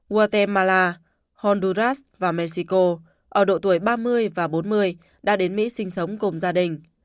guatemala honduras và mexico ở độ tuổi ba mươi và bốn mươi đã đến mỹ sinh sống cùng gia đình